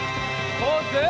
ポーズ！